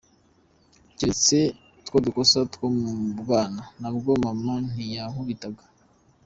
Keretse twa dukosa two mu bwana, nabwo mama ntiyankubitaga.